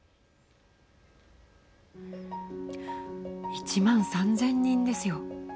１万３０００人ですよ。